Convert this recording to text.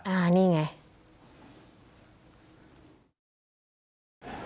อ่านี่ไง